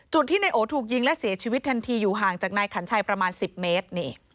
ที่นายโอถูกยิงและเสียชีวิตทันทีอยู่ห่างจากนายขันชัยประมาณ๑๐เมตร